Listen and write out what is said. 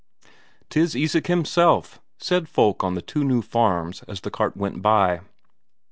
"'Tis Isak himself," said folk on the two new farms as the cart went by.